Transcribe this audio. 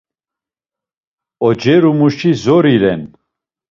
Ocerumuşi zori ren.